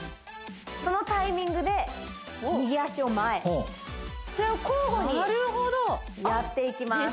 そのタイミングで右脚を前それを交互にやっていきます